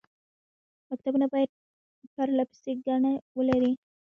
مکتوبونه باید پرله پسې ګڼه ولري.